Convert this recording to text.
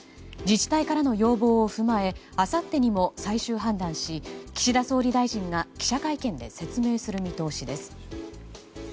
自治体からの要望を踏まえあさってにも最終判断し、岸田総理大臣が記者会見で説明する見通しです。